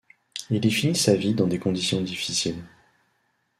Il y finit sa vie dans des conditions difficiles.